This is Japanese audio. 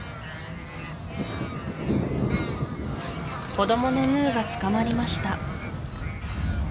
子どものヌーが捕まりました